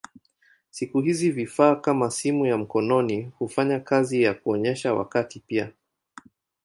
Siku hizi vifaa kama simu ya mkononi hufanya kazi ya kuonyesha wakati pia.